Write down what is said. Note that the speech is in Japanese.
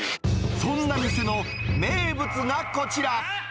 そんな店の名物がこちら。